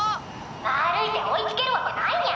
歩いて追いつけるわけないニャ。